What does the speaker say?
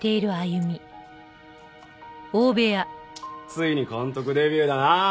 ついに監督デビューだな！